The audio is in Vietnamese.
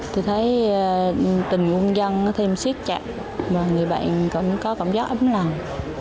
tôi thấy tình quân dân thêm siết chặt và người bệnh cũng có cảm giác ấm lòng